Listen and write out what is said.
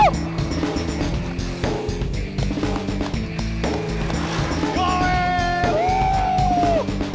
berani lo dateng kesini